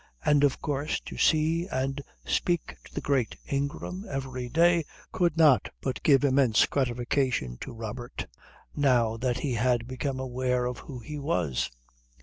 And of course to see and speak to the great Ingram every day could not but give immense gratification to Robert, now that he had become aware of who he was.